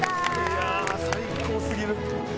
いやあ最高すぎる。